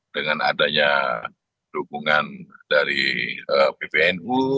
dengan adanya dukungan dari pbnu